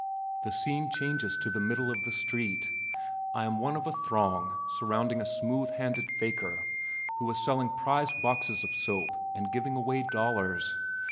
The scene changes to the middle of the street. I am one of a throng surrounding a smooth handed faker who is selling prize boxes of soap and giving away dollars.